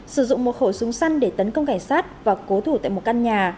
sử dụng một khẩu súng săn để tấn công cảnh sát và cố thủ tại một căn nhà